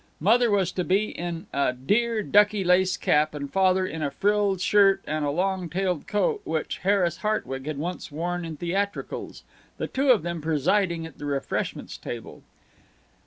Mother was to be in a "dear ducky lace cap" and Father in a frilled shirt and a long tailed coat which Harris Hartwig had once worn in theatricals, the two of them presiding at the refreshments table.